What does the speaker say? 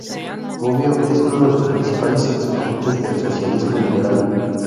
Bobbio es uno de los principales exponentes del socialismo liberal.